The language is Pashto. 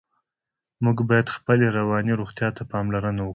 موږ باید خپلې رواني روغتیا ته پاملرنه وکړو.